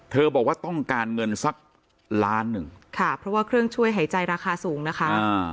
บอกว่าต้องการเงินสักล้านหนึ่งค่ะเพราะว่าเครื่องช่วยหายใจราคาสูงนะคะ